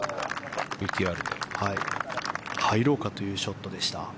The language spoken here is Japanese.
入ろうかというショットでした。